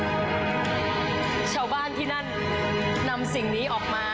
ของท่านได้เสด็จเข้ามาอยู่ในความทรงจำของคน๖๗๐ล้านคนค่ะทุกท่าน